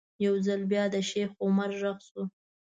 یو ځل بیا د شیخ عمر غږ شو.